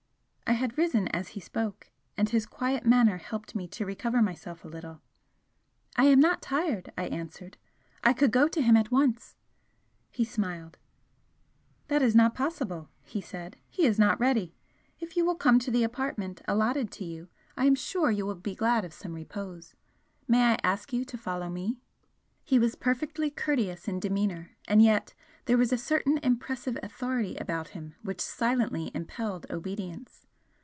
I had risen as he spoke, and his quiet manner helped me to recover myself a little. "I am not tired," I answered "I could go to him at once " He smiled. "That is not possible!" he said "He is not ready. If you will come to the apartment allotted to you I am sure you will be glad of some repose. May I ask you to follow me?" He was perfectly courteous in demeanour, and yet there was a certain impressive authority about him which silently impelled obedience.